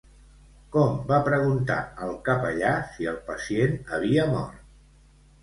Com va preguntar al capellà si el pacient havia mort?